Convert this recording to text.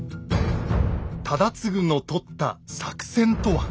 忠次の取った作戦とは？